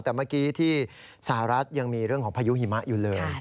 แต่เมื่อกี้ที่สหรัฐยังมีเรื่องของพายุหิมะอยู่เลย